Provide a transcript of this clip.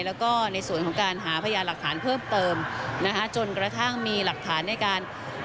แล้วก็ในส่วนของการหาพยานหลักฐานเพิ่มเติมนะคะจนกระทั่งมีหลักฐานในการ